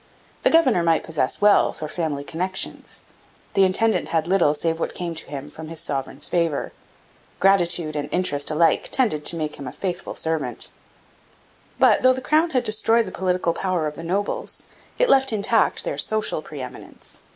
The governor might possess wealth, or family connections. The intendant had little save what came to him from his sovereign's favour. Gratitude and interest alike tended to make him a faithful servant. But, though the crown had destroyed the political power of the nobles, it left intact their social pre eminence.